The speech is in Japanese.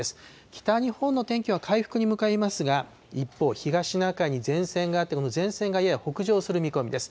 北日本の天気は回復に向かいますが、一方、東シナ海に前線があって、この前線がやや北上する見込みです。